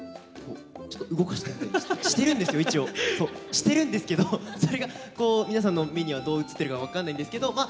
してるんですけどそれが皆さんの目にはどう映ってるか分かんないんですけどまあ